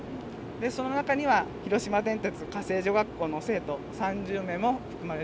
その中には広島電鉄家政女学校の生徒３０名も含まれてるんです。